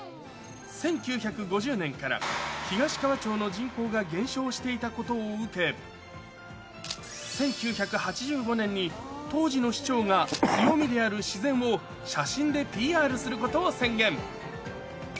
１９５０年から東川町の人口が減少していたことを受け、１９８５年に当時の市長が強みである自然を写真でＰＲすることを宣言。